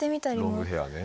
ロングヘアね。